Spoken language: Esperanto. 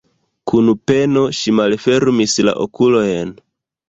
Kun peno ŝi malfermis la okulojn.